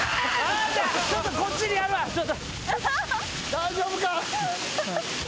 大丈夫か？